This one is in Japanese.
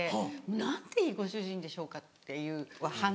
「なんていいご主人でしょうか」っていう反応があって。